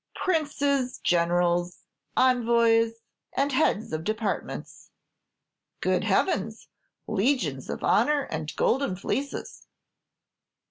"Princes, generals, envoys, and heads of departments." "Good heavens! legions of honor and golden fleeces!"